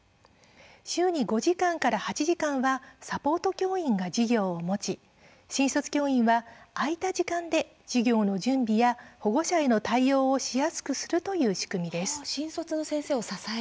週に５時間から８時間はサポート教員が授業を持ち新卒教員は空いた時間で授業の準備や、保護者への対応をしやすくするという仕組みです。